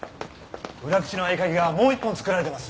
裏口の合鍵がもう１本作られてます！